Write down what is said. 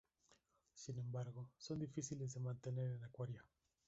Sin embargo, son difíciles de mantener en acuario.